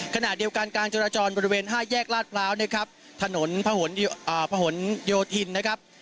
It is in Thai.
ขณะเดียวกันการจราจรบริเวณห้าแยกลาดพร้าวนะครับถนนพะหนโยธินนะครับ